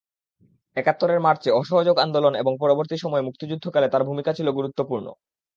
একাত্তরের মার্চে অসহযোগ আন্দোলন এবং পরবর্তী সময়ে মুক্তিযুদ্ধকালে তাঁর ভূমিকা ছিল গুরুত্বপূর্ণ।